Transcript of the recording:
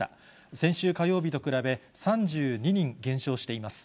先週火曜日と比べ、３２人減少しています。